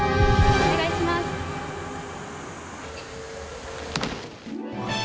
お願いします。